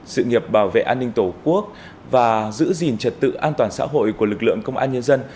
sự nghiệp bảo vệ an ninh tổ quốc và giữ gìn trật tự an toàn xã hội của lực lượng công an nhân dân